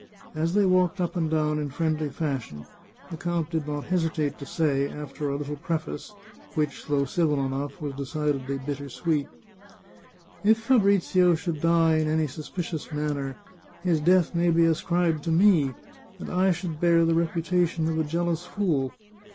As they walked up and down in friendly fashion, the count did not hesitate to say, after a little preface, which, though civil enough, was de cidedly bitter sweet : "If Fabrizio should die in any suspicious manner, his death may be ascribed to me, and I should bear the repu tation of a jealous fool.